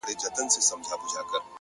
پوهه د شک پر ځای یقین پیاوړی کوي,